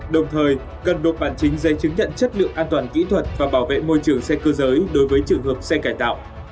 đồng thời cần nộp bản chính giấy chứng nhận chất lượng an toàn kỹ thuật và bảo vệ môi trường xe cơ giới đối với trường hợp xe cải tạo